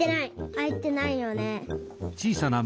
あいてないよね。